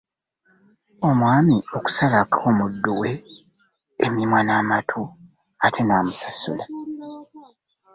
Omwami okusalako omuddu we emimwa n'amatu ate n'amusasula.